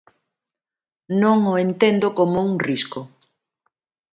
Non o entendo como un risco.